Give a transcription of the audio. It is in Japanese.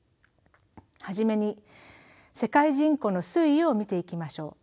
初めに世界人口の推移を見ていきましょう。